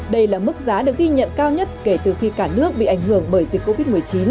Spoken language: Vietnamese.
đây là mức giá được ghi nhận cao nhất kể từ khi cả nước bị ảnh hưởng bởi dịch covid một mươi chín